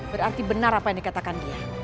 berarti benar apa yang dikatakan dia